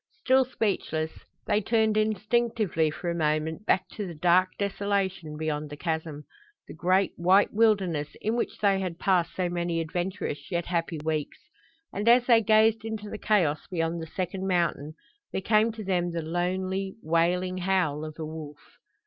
Still speechless, they turned instinctively for a moment back to the dark desolation beyond the chasm the great, white wilderness in which they had passed so many adventurous yet happy weeks; and as they gazed into the chaos beyond the second mountain there came to them the lonely, wailing howl of a wolf.